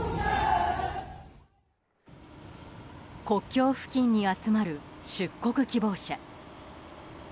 国境付近に集まる出国希望者。